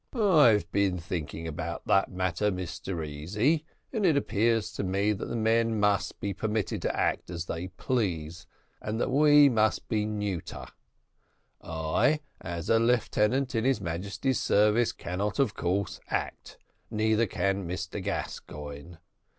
"I've been thinking upon that matter, Mr Easy, and it appears to me that the men must be permitted to act as they please, and that we must be neuter. I, as a lieutenant in his Majesty's service, cannot of course act, neither can Mr Gascoigne.